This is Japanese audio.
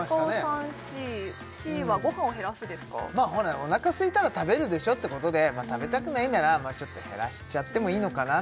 おなかすいたら食べるでしょってことで食べたくないんならちょっと減らしちゃってもいいのかな